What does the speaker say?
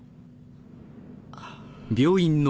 あっ。